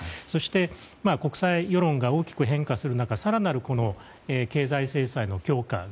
そして国際世論が大きく変化する中更なる経済制裁の強化